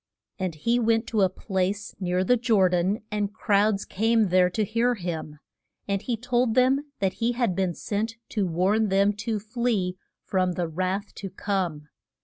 And he went to a place near the Jor dan and crowds came there to hear him. And he told them that he had been sent to warn them to flee from the wrath to come.